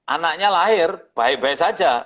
anaknya lahir baik baik saja